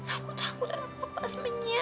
aku takut dengan apa apa sebenarnya